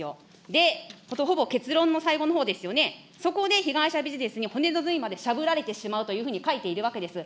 で、ほぼ結論の最後のほうですよね、そこで被害者ビジネスに骨の髄までしゃぶられてしまうというふうに書いているわけです。